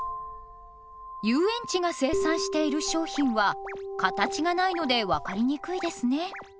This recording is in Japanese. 遊園地が生産している商品は形がないので分かりにくいですね。